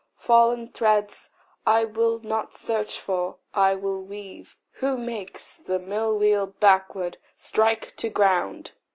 Fallen threads I will not search for I will weave. Who makes the mill wheel backward strike to grind!